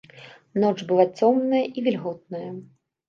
Ноч была цёмная і вільготная.